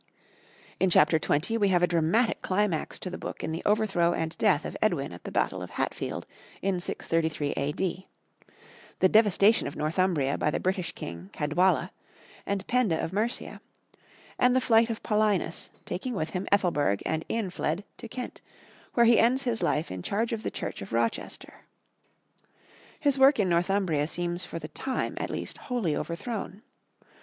In Chapter 20 we have a dramatic climax to the book in the overthrow and death of Edwin at the battle of Hatfield in 633 A.D.; the devastation of Northumbria by the British king, Caedwalla, and Penda of Mercia; and the flight of Paulinus, taking with him Ethelberg and Eanfled to Kent, where he ends his life in charge of the Church of Rochester. His work in Northumbria seems for the time, at least, wholly overthrown.